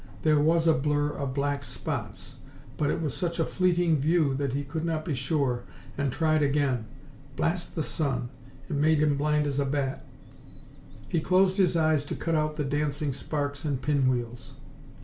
there was a blur of black spots. But it was such a fleeting view that he could not be sure, and tried again. Blast the sun! It made him blind as a bat! He closed his eyes to cut out the dancing sparks and pin wheels.